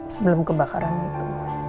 sebelum kebakaran itu